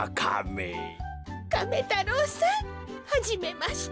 カメ太郎さんはじめまして。